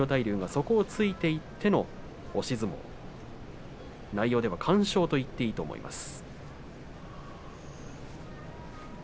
そこをついていっての押し相撲内容では完勝と言っていいと思います。